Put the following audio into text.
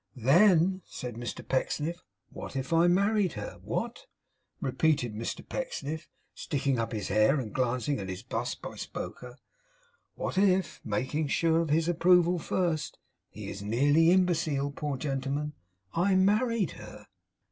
'Then,' said Mr Pecksniff 'what if I married her! What,' repeated Mr Pecksniff, sticking up his hair and glancing at his bust by Spoker; 'what if, making sure of his approval first he is nearly imbecile, poor gentleman I married her!